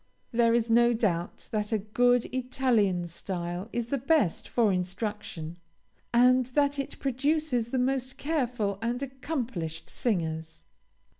There is no doubt that a good Italian style is the best for instruction, and that it produces the most careful and accomplished singers.